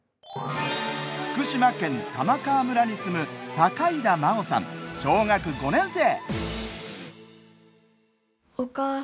福島県玉川村に住む境田真桜さん、小学５年生！